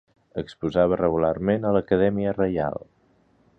Exposava regularment a l'Acadèmia Reial.